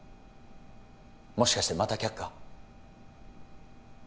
もしかしてまた却下？